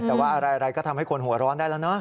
แต่ว่าอะไรก็ทำให้คนหัวร้อนได้แล้วนะ